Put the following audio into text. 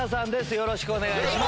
よろしくお願いします。